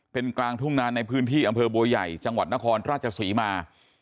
เป็นกลางทุ่งนานในพื้นที่อำเภอบัวใหญ่จังหวัดนครราชศรีมา